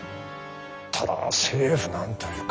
ただ政府が何と言うか。